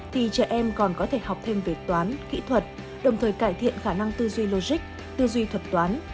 thì trẻ em còn có thể học thêm về toán kỹ thuật đồng thời cải thiện khả năng tư duy logic tư duy thuật toán